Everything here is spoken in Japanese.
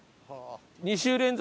２週連続？